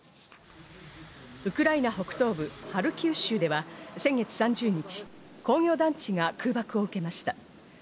ウクライナ北東部ハルキウ州では先月３０日、工業団地が空爆を受けました。